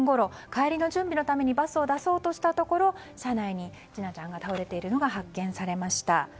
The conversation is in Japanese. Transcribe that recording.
帰りの準備のためにバスを出そうとしたところ車内に千奈ちゃんが倒れているのが発見されました。